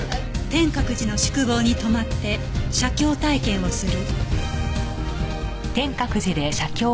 「天鶴寺の宿坊に泊まって写経体験をする」